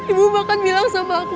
ibu bahkan bilang sama aku